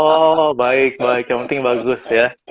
oh baik baik yang penting bagus ya